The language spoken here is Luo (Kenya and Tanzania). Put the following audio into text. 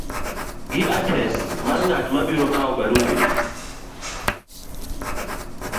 gi adres mar ng'at ma biro kawo barupeni,